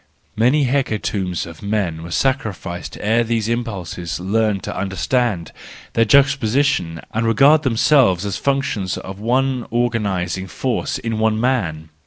Many hecatombs of men were sacrificed ere these impulses learned to understand their juxtaposition and regard themselves as functions of one organising force in one man